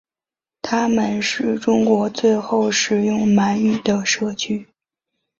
他们是中国最后使用满语的社区。